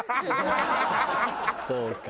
そうか。